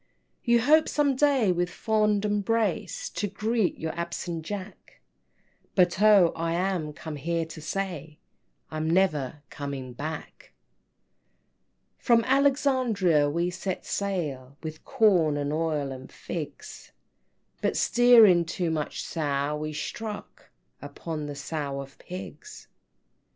IV. "You hope some day with fond embrace To greet your absent Jack, But oh, I am come here to say I'm never coming back!" V. "From Alexandria we set sail, With corn, and oil, and figs, But steering 'too much Sow,' we struck Upon the Sow and Pigs!"